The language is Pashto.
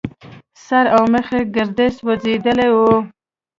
سر او مخ يې ګرده سوځېدلي وو.